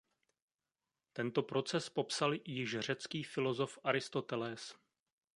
Tento proces popsal již řecký filozof Aristotelés.